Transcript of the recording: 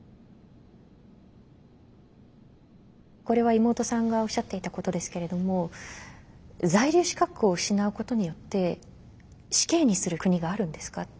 これは妹さんがおっしゃっていたことですけれども「在留資格を失うことによって死刑にする国があるんですか」